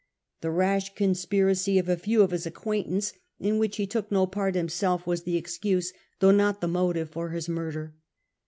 The rash con spiracy of a few of his acquaintance, in which he took no part himself, was the excuse, though not the motive, for his murder.